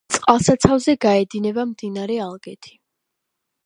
წყალსაცავზე გაედინება მდინარე ალგეთი.